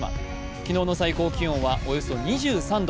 昨日の最高気温はおよそ２３度。